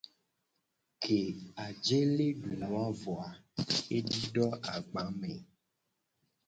Ke ajele du nu a vo a, edido agba me.